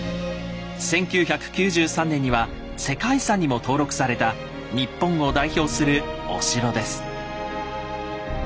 １９９３年には世界遺産にも登録された日本を代表するお城です。